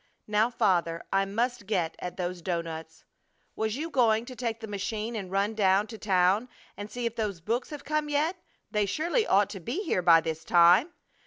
Now, Father, I must get at those doughnuts! Was you going to take the machine and run down to town and see if those books have come yet? They surely ought to be here by this time.